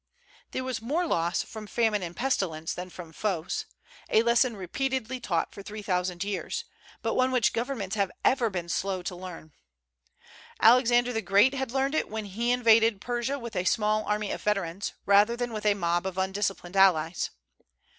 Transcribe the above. There was more loss from famine and pestilence than from foes, a lesson repeatedly taught for three thousand years, but one which governments have ever been slow to learn. Alexander the Great had learned it when he invaded Persia with a small army of veterans, rather than with a mob of undisciplined allies.